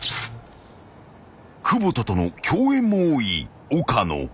［久保田との共演も多い岡野］